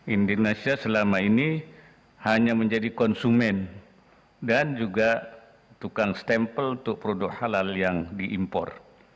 indonesia selama ini hanya menjadi konsumen dan juga tukang stempel untuk produk halal yang diimpor